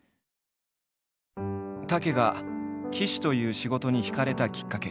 武が騎手という仕事に惹かれたきっかけ。